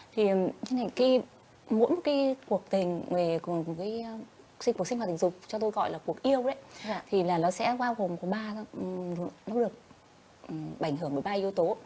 thì mỗi một cuộc sinh hoạt tình dục cho tôi gọi là cuộc yêu thì nó sẽ bao gồm được bảnh hưởng bởi ba yếu tố